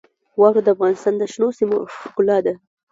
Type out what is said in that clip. واوره د افغانستان د شنو سیمو ښکلا ده.